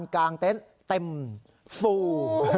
เต็นต์เต็มฟู